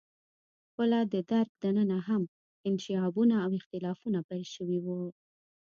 خپله د درګ دننه هم انشعابونه او اختلافونه پیل شوي وو.